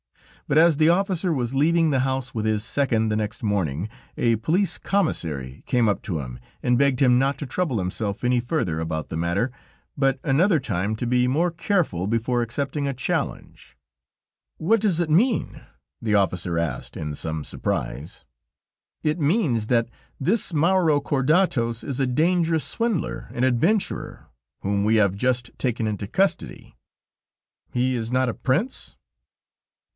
But as the officer was leaving the house with his second the next morning, a Police Commissary came up to him and begged him not to trouble himself any further about the matter, but another time to be more careful before accepting a challenge. "What does it mean?" the officer asked, in some surprise. "It means that this Maurokordatos is a dangerous swindler and adventurer, whom we have just taken into custody." "He is not a prince?"